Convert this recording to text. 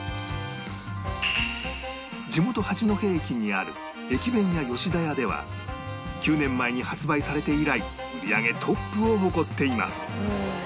地元八戸駅にある駅弁屋吉田屋では９年前に発売されて以来売り上げトップを誇っています